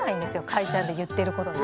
かいちゃんの言ってることが。